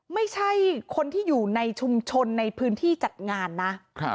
ไม่ใช่คนที่อยู่ในชุมชนในพื้นที่จัดงานนะ